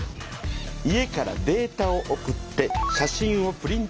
家からデータを送って写真をプリントアウトする。